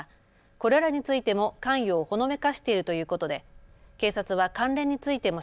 これらについても関与をほのめかしているということで警察は関連についても